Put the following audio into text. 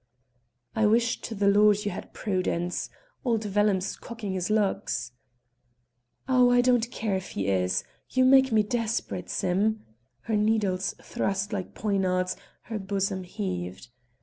"I wish to the Lord you had prudence; old Vellum's cocking his lugs." "Oh, I don't care if he is; you make me desperate, Sim." Her needles thrust like poignards, her bosom heaved.